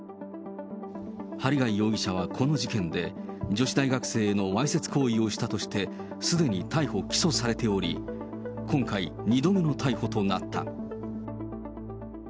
針谷容疑者はこの事件で、女子大学生へのわいせつ行為をしたとして、すでに逮捕・起訴されており、今回、２度目の逮捕となった。